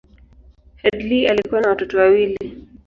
Headlee alikuwa na watoto wawili.